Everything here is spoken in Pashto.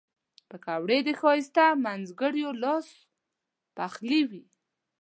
پکورې د ښایسته مینځګړیو لاس پخلي وي